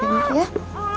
ini ada susunya nak